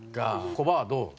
コバはどう？